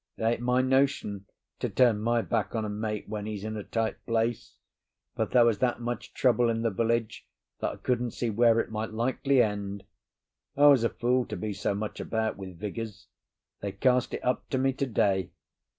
It ain't my notion to turn my back on a mate when he's in a tight place, but there was that much trouble in the village that I couldn't see where it might likely end. I was a fool to be so much about with Vigours. They cast it up to me to day.